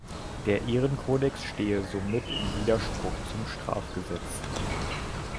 Der Ehrenkodex stehe somit im Widerspruch zum Strafgesetz.